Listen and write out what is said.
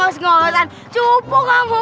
terus juara ini silat antar pun